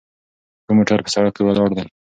کوم موټر په سړک کې ولاړ دی؟